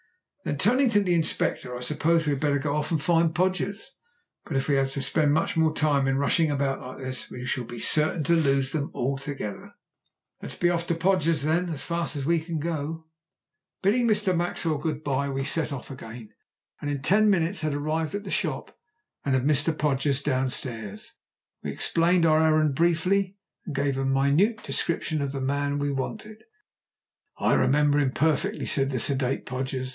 Then turning to the Inspector: "I suppose we had better go off and find Podgers. But if we have to spend much more time in rushing about like this we shall be certain to lose them altogether." "Let us be off to Podgers', then, as fast as we can go." Bidding Mr. Maxwell good bye, we set off again, and in ten minutes had arrived at the shop and had Mr. Podgers downstairs. We explained our errand briefly, and gave a minute description of the man we wanted. "I remember him perfectly," said the sedate Podgers.